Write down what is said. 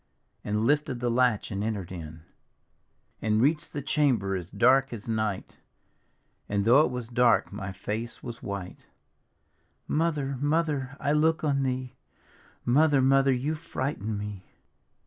And lifted the latch and enter'd in, And reached the chamber as dark as night, And though it was dark, my face was white: "Mother, Mother, I look on thee! Mother, Mother, you frighten me!